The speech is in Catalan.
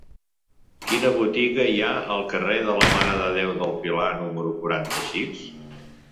Quina botiga hi ha al carrer de la Mare de Déu del Pilar número quaranta-sis?